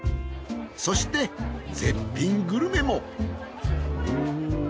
そして絶品グルメも。